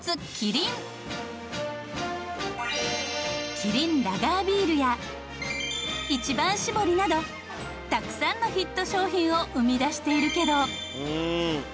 キリンラガービールや一番搾りなどたくさんのヒット商品を生み出しているけど。